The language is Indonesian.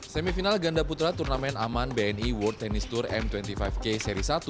semifinal ganda putra turnamen aman bni world tennis tour m dua puluh lima k seri satu